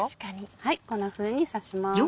こんなふうに刺します。